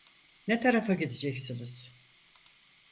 Ne tarafa gideceksiniz?